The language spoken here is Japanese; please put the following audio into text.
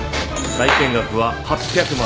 債権額は８００万。